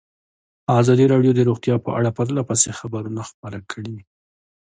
ازادي راډیو د روغتیا په اړه پرله پسې خبرونه خپاره کړي.